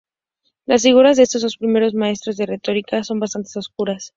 Las figuras de estos dos primeros maestros de retórica son bastante oscuras.